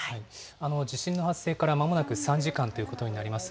地震の発生からまもなく３時間ということになります。